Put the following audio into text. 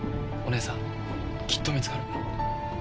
お姉さんきっと見つかる。